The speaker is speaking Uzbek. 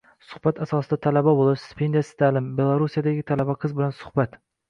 Suhbat asosida talaba bo‘lish, stipendiyasiz ta'lim – Belarusdagi talaba qiz bilan suhbat